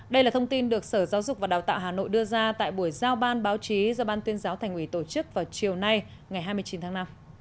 đây là thông tin được sở giáo dục và đào tạo hà nội đưa ra tại buổi giao ban báo chí do ban tuyên giáo thành ủy tổ chức vào chiều nay ngày hai mươi chín tháng năm